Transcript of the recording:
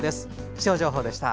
気象情報でした。